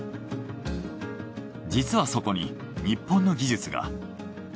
実はそこに日本の技術が。